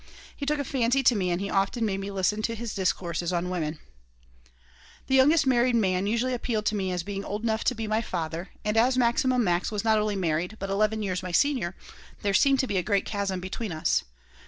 He took a fancy to me and he often made me listen to his discourses on women The youngest married man usually appealed to me as being old enough to be my father, and as Maximum Max was not only married, but eleven years my senior, there seemed to be a great chasm between us.